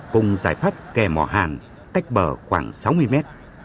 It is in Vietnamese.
cùng giải pháp kè mỏ hàn tách bờ khoảng sáu mươi mét